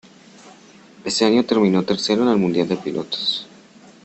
Ese año terminó tercero en el mundial de pilotos.